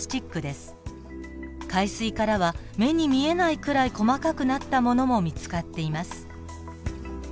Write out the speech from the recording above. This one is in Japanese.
海水からは目に見えないくらい細かくなったものも見つかっています。